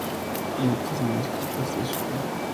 Sus notas manuscritas de spp.